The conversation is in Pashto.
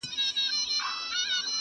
لنډۍ په غزل کي، پنځمه برخه،